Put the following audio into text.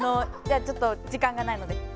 ちょっと時間がないので。